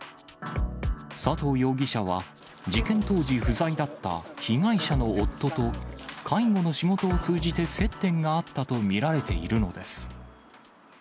佐藤容疑者は、事件当時、不在だった被害者の夫と、介護の仕事を通じて接点があったと見られているのです。